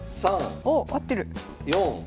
３！おっ合ってる。